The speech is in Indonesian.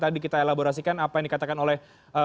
tadi kita elaborasikan apa yang dikatakan oleh